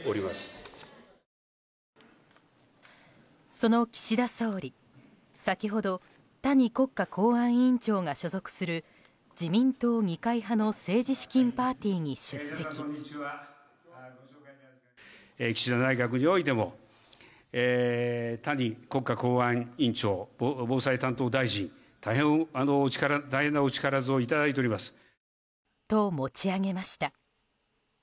その岸田総理、先ほど谷国家公安委員長が所属する自民党二階派の政治資金パーティーに出席。と持ち上げました。